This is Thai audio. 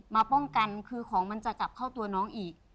มาป้องกันคือของมันจะกลับเข้าตัวน้องอีก